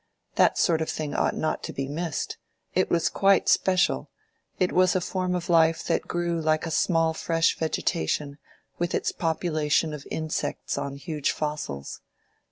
That sort of thing ought not to be missed: it was quite special: it was a form of life that grew like a small fresh vegetation with its population of insects on huge fossils.